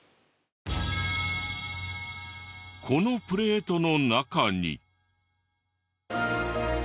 このプレートの中に。